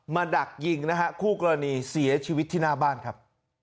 ดักยิงนะฮะคู่กรณีเสียชีวิตที่หน้าบ้านครับ